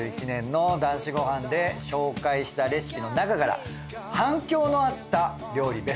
２０２１年の『男子ごはん』で紹介したレシピの中から反響のあった料理